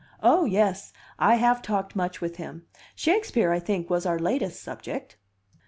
"Oh, yes! I have talked much with him. Shakespeare, I think, was our latest subject."